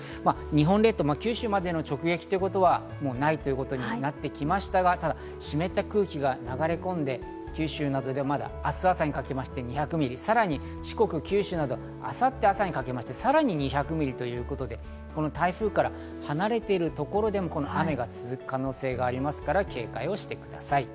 日本列島、九州までの直撃ということはないということになってきましたが、ただ湿った空気が流れ込んで九州などでは、明日朝にかけて２００ミリ、さらに四国、九州などで、明後日朝にかけてさらに２００ミリということで台風から離れているところでも雨が続く可能性がありますから警戒してください。